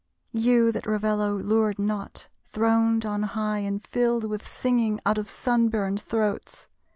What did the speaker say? You, that Ravello lured not, throned on high And filled with singing out of sun burned throats!